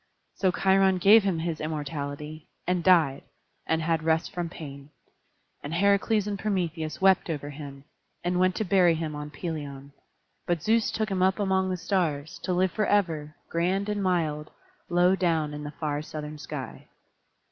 So Cheiron gave him his immortality, and died, and had rest from pain. And Heracles and Prometheus wept over him, and went to bury him on Pelion; but Zeus took him up among the stars, to live forever, grand and mild, low down in the far southern sky.